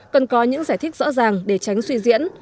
cần có những giải thích rõ ràng để tránh suy diễn